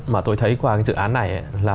mà tôi thấy qua cái dự án này là